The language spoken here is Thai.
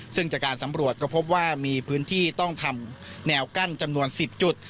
ซึ่งจากการสำรวจก็พบว่ามีพื้นที่ต้องทำแนวกั้นจำนวน๑๐จุด